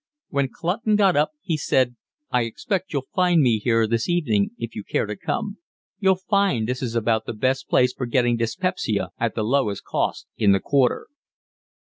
When Clutton got up he said: "I expect you'll find me here this evening if you care to come. You'll find this about the best place for getting dyspepsia at the lowest cost in the Quarter."